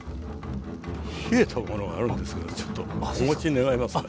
冷えたものがあるんですけどちょっとお持ち願えますかね？